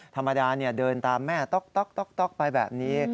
ธรรมดาเดินตามแม่ต๊อกไปแบบนี้